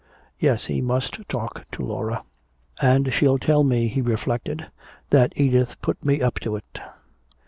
Yes, he must talk to Laura. "And she'll tell me," he reflected, "that Edith put me up to it!"